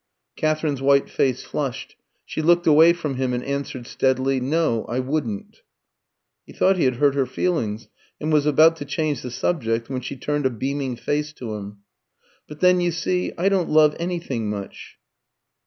Katherine's white face flushed; she looked away from him, and answered steadily "No, I wouldn't." He thought he had hurt her feelings, and was about to change the subject when she turned a beaming face to him. "But then, you see, I don't love anything much."